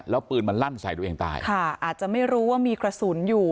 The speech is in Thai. แล้วปืนมันลั่นใส่ตัวเองตายค่ะอาจจะไม่รู้ว่ามีกระสุนอยู่